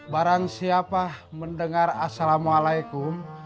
barang siapa mendengar assalamualaikum